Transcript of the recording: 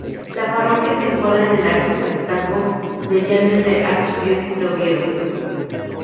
La parroquia se encuadra en el arciprestazgo de Llanes de la archidiócesis de Oviedo.